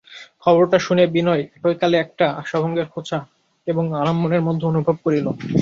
খবরটা শুনিয়া বিনয় একই কালে একটা আশাভঙ্গের খোঁচা এবং আরাম মনের মধ্যে অনুভব করিল।